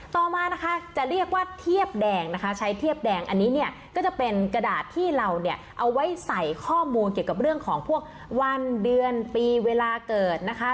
ต่อมานะคะจะเรียกว่าเทียบแดงนะคะใช้เทียบแดงอันนี้เนี่ยก็จะเป็นกระดาษที่เราเนี่ยเอาไว้ใส่ข้อมูลเกี่ยวกับเรื่องของพวกวันเดือนปีเวลาเกิดนะคะ